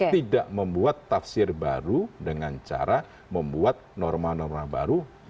tidak membuat tafsir baru dengan cara membuat norma norma baru